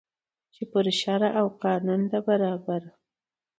چي پر شرع او قانون ده برابره